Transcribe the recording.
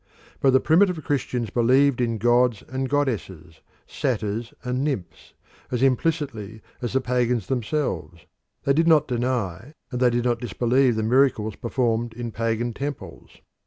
But the primitive Christians believed in gods and goddesses, satyrs and nymphs, as implicitly as the pagans themselves. They did not deny and they did not disbelieve the miracles performed in pagan temples.